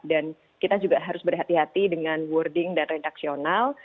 dan kita juga harus berhati hati dengan wording dan redaksional